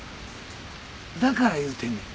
だから言うてんねや。